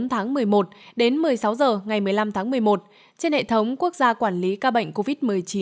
ngày một mươi bốn tháng một mươi một đến một mươi sáu giờ ngày một mươi năm tháng một mươi một trên hệ thống quốc gia quản lý ca bệnh covid một mươi chín